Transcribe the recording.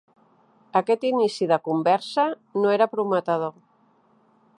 Aquest inici de conversa no era prometedor.